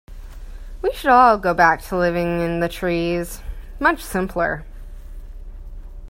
We should all go back to living in the trees, much simpler.